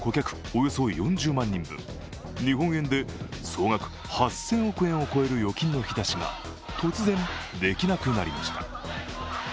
およそ４０万人分、日本円で総額８０００億円を超える預金の引き出しが突然できなくなりました。